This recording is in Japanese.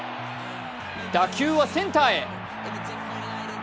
打球はセンターへ。